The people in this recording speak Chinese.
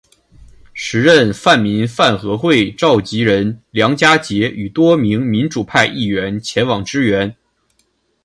时任泛民饭盒会召集人梁家杰与多名民主派议员前往支援。